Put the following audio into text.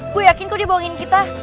gue yakin kok dia bohongin kita